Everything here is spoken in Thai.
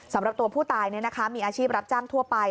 สำหรับตัวผู้ตายมีอาชีพรับจ้างทั่วไป